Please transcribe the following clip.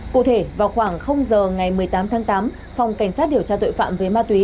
cụ thể vào khoảng giờ ngày một mươi tám tháng tám phòng cảnh sát điều tra tội phạm về ma túy